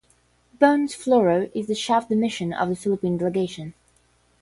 Bones Floro is the chef de mission of the Philippine delegation.